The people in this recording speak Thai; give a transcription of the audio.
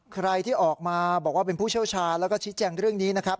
ใครที่ออกมาบอกว่าเป็นผู้เชี่ยวชาญแล้วก็ชี้แจงเรื่องนี้นะครับ